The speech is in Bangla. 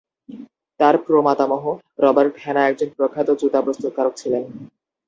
তার প্র-মাতামহ রবার্ট হ্যানা একজন প্রখ্যাত জুতা প্রস্তুতকারক ছিলেন।